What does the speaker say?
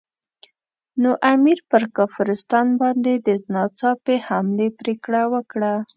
نو امیر پر کافرستان باندې د ناڅاپي حملې پرېکړه وکړه.